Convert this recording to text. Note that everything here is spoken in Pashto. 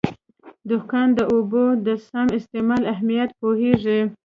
دهقان د اوبو د سم استعمال اهمیت پوهېږي.